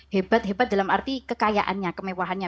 hebat hebat dalam arti kekayaannya kemewahannya